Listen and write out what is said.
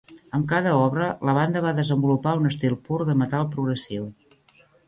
Amb cada obra, la banda va desenvolupar un estil pur de metal progressiu.